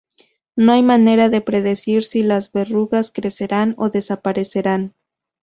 No hay manera de predecir si las verrugas crecerán o desaparecerán.